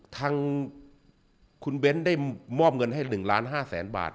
ทางคุณเบนท์ได้มอบเงินให้๑๕ล้านบาท